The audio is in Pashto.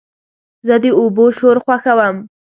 زه د اوبو شور خوښوم.